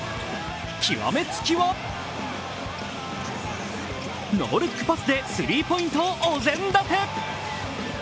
極め付きは、ノールックパスで３ポイントをお膳立て。